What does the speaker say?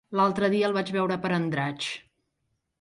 L'altre dia el vaig veure per Andratx.